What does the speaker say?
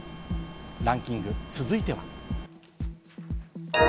ランキング、続いては。